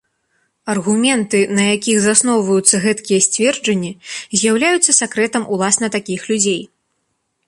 Аргументы, на якіх засноўваюцца гэткія сцверджанні, з'яўляюцца сакрэтам уласна такіх людзей.